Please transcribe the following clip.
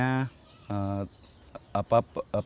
konsep di kebun dapurnya sendiri perencanaannya